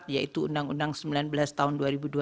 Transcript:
yaitu undang undang sembilan belas tahun dua ribu dua belas